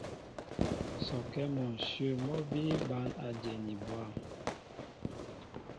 Sɔkɛ́ mɔ ǹshyə̂ mɔ́ bíí bǎn a dyɛni bwâm.